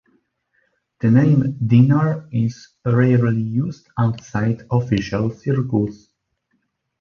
The name dinar is rarely used outside official circles.